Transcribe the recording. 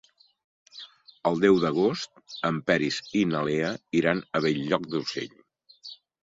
El deu d'agost en Peris i na Lea iran a Bell-lloc d'Urgell.